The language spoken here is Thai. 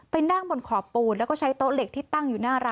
แต่มันก็ไม่ควรให้คุณ